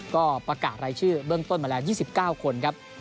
ก็ประกาศรายชื่อเบื้องต้นมาแล้ว๒๙คนครับ